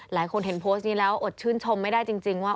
หลายคนเห็นโพสต์นี้แล้วอดชื่นชมไม่ได้จริงว่า